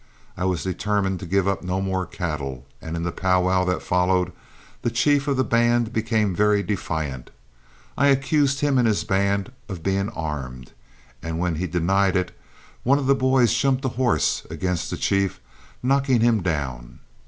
I was determined to give up no more cattle, and in the powwow that followed the chief of the band became very defiant. I accused him and his band of being armed, and when he denied it one of the boys jumped a horse against the chief, knocking him down.